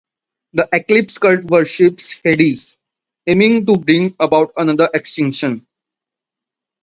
The Eclipse cult worships Hades, aiming to bring about another extinction.